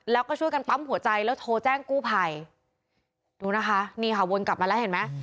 แล้วก็ช่วยกันปั๊มหัวใจแล้วโทรแจ้งกู้ภัยดูนะคะนี่ค่ะวนกลับมาแล้วเห็นไหม